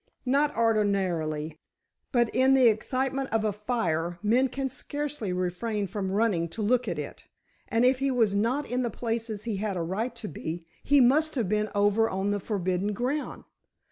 "Not ordinarily, but in the excitement of a fire, men can scarcely refrain from running to look at it, and if he was not in the places he had a right to be, he must have been over on the forbidden ground.